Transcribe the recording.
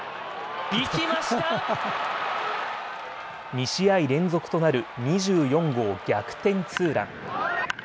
２試合連続となる２４号逆転ツーラン。